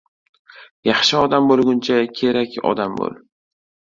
Yaxshi odam bo‘lguncha, kerak odam bo‘l.